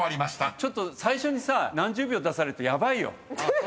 ちょっと最初にさ何十秒出されるとヤバいよ。